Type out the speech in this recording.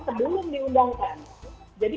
sebelum diundangkan jadi